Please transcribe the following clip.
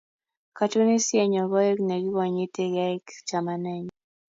Katunisienyo koek ne kikonyitikei chamanenyu